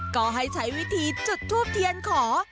ก็ให้ใช้วิธีจุดทูบเทียนขอ